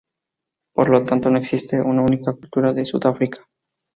Por lo tanto, no existe una única cultura de Sudáfrica.